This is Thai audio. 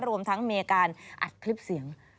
รวมทั้งมีอาการอัดคลิปเสียง